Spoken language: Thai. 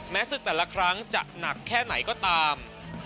ศึกแต่ละครั้งจะหนักแค่ไหนก็ตาม